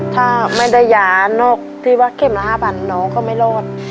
ถ้าไม่ได้ยานอกที่ว่าเข็มละ๕๐๐น้องก็ไม่รอด